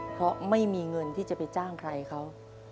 เพราะไม่มีเงินที่จะไปจ้างใครเขา